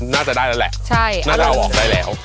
น่าจะได้แล้วแหละน่าจะเอาออกได้แล้ว